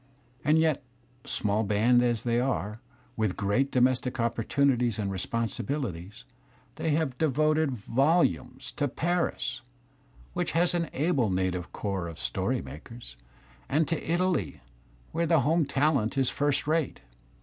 And yet, small band as they are, with great domestic opportunities and responsibilities, they have devoted volumes to Paris, which has an able native corps of story makers, and J to Italy, where the home talent is first rate.